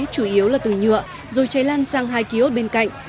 chủ yếu là từ nhựa rồi cháy lan sang hai kiosk bên cạnh